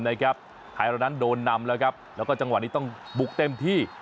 ท้ายร้านนั้นโดนนำแล้วก็จังหวะนึงต้องบุกเต็มที่